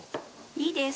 いいです！